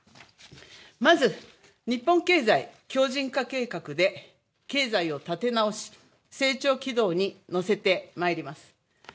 まず日本経済強じん化計画で経済を立て直し成長軌道に乗せてまいります。